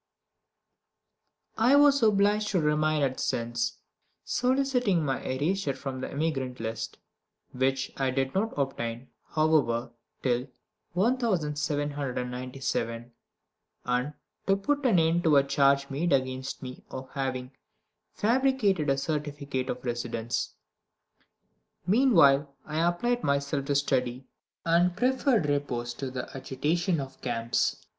I was obliged to remain at Sens, soliciting my erasure from the emigrant list, which I did not obtain, however, till 1797, and to put an end to a charge made against me of having fabricated a certificate of residence. Meanwhile I applied myself to study, and preferred repose to the agitation of camps.